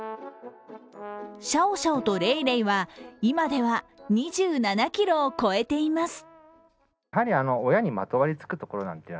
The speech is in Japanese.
シャオシャオとレイレイは今では２７ｋｇを超えています。